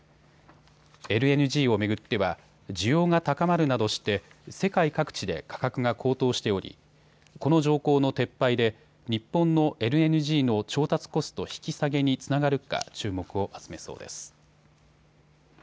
ＬＮＧを巡っては需要が高まるなどして世界各地で価格が高騰しておりこの条項の撤廃で日本のＬＮＧの調達コスト引き下げにつながるか注目を集めそうです。